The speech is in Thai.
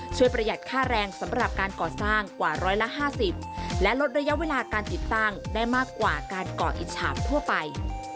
ประหยัดค่าแรงสำหรับการก่อสร้างกว่าร้อยละ๕๐และลดระยะเวลาการติดตั้งได้มากกว่าการก่ออิจฉามทั่วไป